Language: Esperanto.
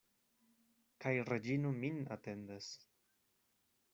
Kaj Reĝino min atendas.